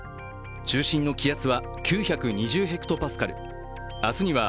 中心の気圧は９２０ｈＰａ。